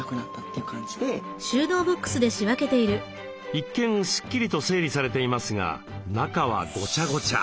一見スッキリと整理されていますが中はごちゃごちゃ。